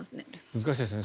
難しいですね。